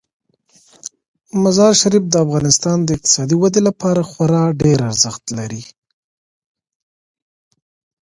مزارشریف د افغانستان د اقتصادي ودې لپاره خورا ډیر ارزښت لري.